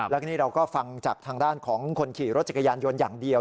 แล้วก็นี่เราก็ฟังจากทางด้านของคนขี่รถจักรยานยนต์อย่างเดียว